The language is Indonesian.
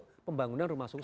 untuk pembangunan rumah susun